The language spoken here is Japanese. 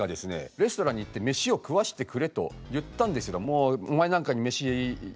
レストランに行って「飯を食わしてくれ」と言ったんですがお前なんかに飯やるかと。